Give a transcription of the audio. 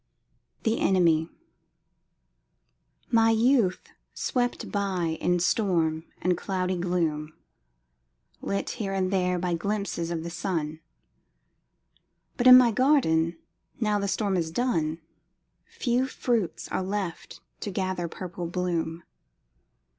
THE ENEMY My youth swept by in storm and cloudy gloom, Lit here and there by glimpses of the sun; But in my garden, now the storm is done, Few fruits are left to gather purple bloom.